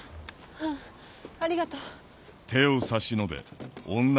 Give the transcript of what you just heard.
うんありがとう。